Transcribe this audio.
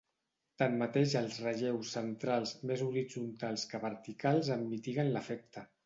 Tanmateix els relleus centrals més horitzontals que verticals en mitiguen l'efecte.